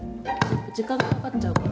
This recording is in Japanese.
時間かかっちゃうから。